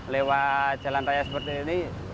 lewat jalan raya seperti ini